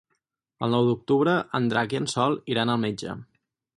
El nou d'octubre en Drac i en Sol iran al metge.